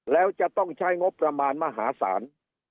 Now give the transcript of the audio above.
แล้วจะต้องใช้งบประมาณมหาศาล